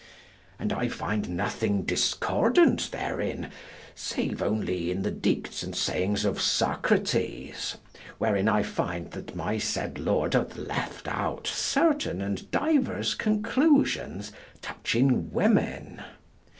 And I find nothing discordant therein, save only in the dictes and sayings of Socrates, wherein I find that my said Lord hath left out certain and divers conclusions touching women.